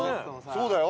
そうだよ